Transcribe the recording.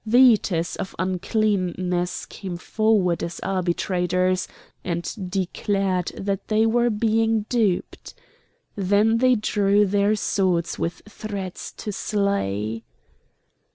The Eaters of Uncleanness came forward as arbitrators, and declared that they were being duped. Then they drew their swords with threats to slay.